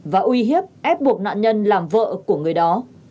và uy hiếp ép buộc nạn nhân làm vợ của người đó